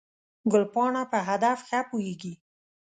ګلپاڼه په هدف ښه پوهېږي.